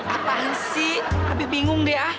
apaan sih aby bingung deh ah